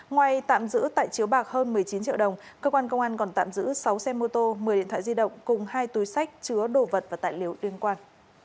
ngoài tạm giữ tại chiếu bạc hơn một mươi chín triệu đồng cơ quan công an còn tạm giữ sáu xe mô tô một mươi điện thoại di động cùng hai túi sách chứa đồ vật và tài liệu liên quan